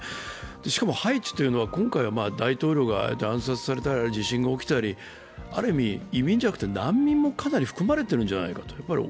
しかもハイチというのは、今回は大統領が暗殺されたり地震が起きたり、ある意味、移民じゃなくて難民もかなり含まれているんじゃないか。